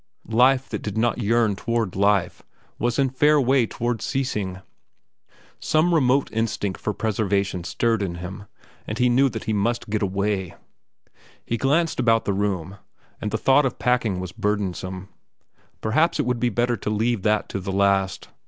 Life that did not yearn toward life was in fair way toward ceasing. Some remote instinct for preservation stirred in him, and he knew he must get away. He glanced about the room, and the thought of packing was burdensome. Perhaps it would be better to leave that to the last.